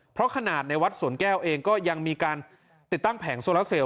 เพราะขนาดในวัดสวนแก้วเองก็ยังมีการติดตั้งแผงโซลาเซลล